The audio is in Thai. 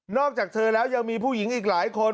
อกจากเธอแล้วยังมีผู้หญิงอีกหลายคน